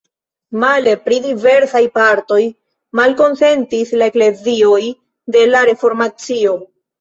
Male, pri diversaj partoj malkonsentis la eklezioj de la Reformacio.